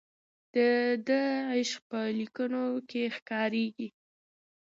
د ده عشق په لیکنو کې ښکاري.